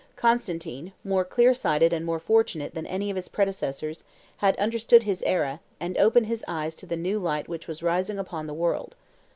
Constantine, more clear sighted and more fortunate than any of his predecessors, had understood his era, and opened his eyes to the new light which was rising upon the world.